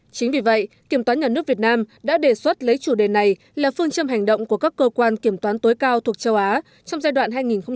chính vì vậy kiểm toán nhà nước việt nam đã đề xuất lấy chủ đề này là phương châm hành động của các cơ quan kiểm toán tối cao thuộc châu á trong giai đoạn hai nghìn một mươi tám hai nghìn hai mươi